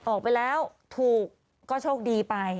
ออกไปแล้วถูกก็โชคดีไป